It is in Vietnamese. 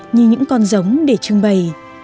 như những con giống để trưng bày